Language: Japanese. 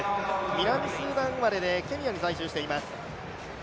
南スーダン生まれでケニアに在住しています。